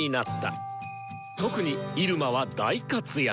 特に入間は大活躍！